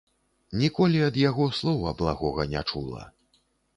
Ніколі ад яго слова благога не чула.